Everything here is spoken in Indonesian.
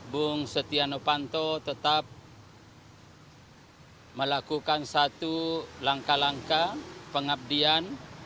bung satuinovanto tetap melakukan satu langkah langkah pengabdian